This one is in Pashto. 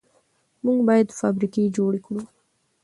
موږ باید فابریکې جوړې کړو.